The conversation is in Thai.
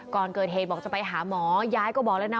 ก่อนเกิดเหตุบอกจะไปหาหมอยายก็บอกแล้วนะ